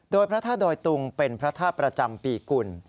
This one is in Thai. โดยพระธาตุดอยตุงเป็นพระธาตุประจำปีกุล